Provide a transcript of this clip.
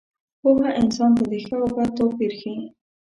پوهه انسان ته د ښه او بد توپیر ښيي.